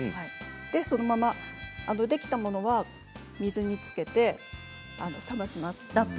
そのままできたものは水につけて冷まします。